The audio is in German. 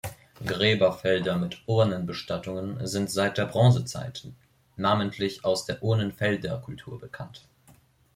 Gräberfelder mit Urnenbestattungen sind seit der Bronzezeit, namentlich aus der Urnenfelderkultur, bekannt.